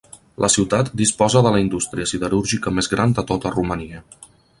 La ciutat disposa de la indústria siderúrgica més gran de tota Romania.